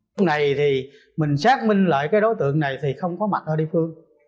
hôm nay thì mình xác minh lại cái đối tượng này thì không có mặt ở địa phương